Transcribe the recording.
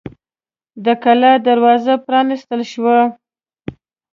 د کلا دروازه پرانیستل شوه.